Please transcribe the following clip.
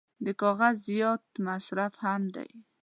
د کاغذ زیات مصرف هم دی.